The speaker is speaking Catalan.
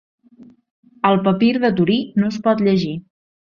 Al papir de Torí no es pot llegir.